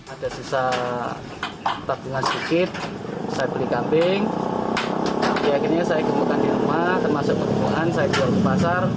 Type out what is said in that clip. ada sisa tabungan sedikit saya beli kambing akhirnya saya kembangkan di rumah termasuk perhubungan saya keluar ke pasar